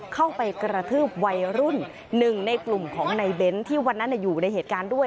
เข้าไปกระทืบวัยรุ่นหนึ่งในกลุ่มของในเบ้นที่วันนั้นอยู่ในเหตุการณ์ด้วย